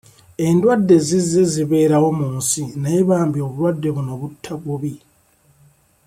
Endwadde zizze zibeerawo mu nsi naye bambi obulwadde buno butta bubi.